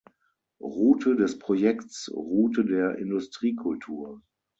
Route des Projekts Route der Industriekultur.